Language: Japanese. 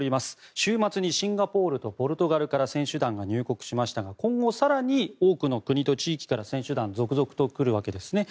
週末にシンガポールとポルトガルから選手団が入国しましたが今後、更に多くの国と地域から選手団、続々と来るわけですね。